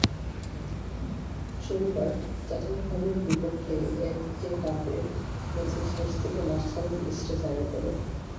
শনিবার টটেনহামের বিপক্ষে এফএ কাপের ম্যাচের শেষ দিকে মাঠ ছাড়েন স্ট্রেচারে করে।